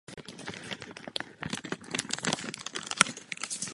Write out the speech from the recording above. Tato služba je dostupná v mnoha zemích od soukromých i veřejných poskytovatelů.